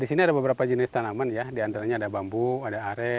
di sini ada beberapa jenis tanaman ya diantaranya ada bambu ada are